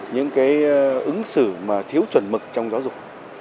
những cái ứng xử mà thiếu chuẩn mực trong giáo dục